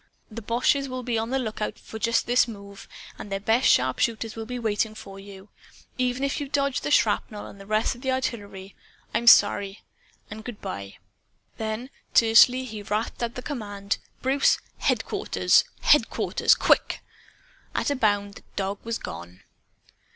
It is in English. The boches will be on the lookout for just this move. And their best sharpshooters will be waiting for you even if you dodge the shrapnel and the rest of the artillery. I'm sorry! And good by." Then, tersely, he rasped out the command "Bruce! Headquarters! Headquarters! QUICK!" At a bound, the dog was gone.